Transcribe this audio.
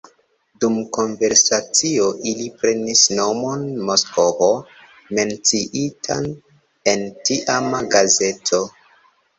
Dum konversacio ili prenis nomon Moskvo, menciitan en tiama gazeto.